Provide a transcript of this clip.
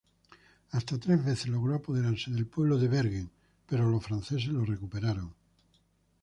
Hasta tres veces logró apoderarse del pueblo de Bergen, pero los franceses lo recuperaron.